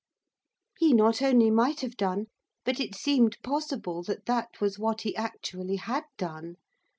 He not only might have done, but it seemed possible that that was what he actually had done.